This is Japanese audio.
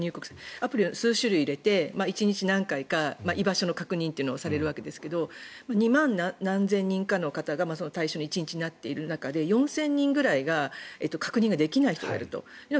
アプリを数種類入れて１日に何回か居場所の確認をされるわけですけど２万何千人かが対象に１日になっている中で４０００人くらいが確認できない人がいると。